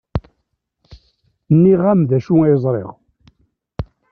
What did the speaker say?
Nniɣ-am d acu ay ẓriɣ.